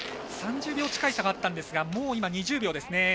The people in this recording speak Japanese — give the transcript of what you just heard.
３０秒近い差があったんですが２０秒ですね。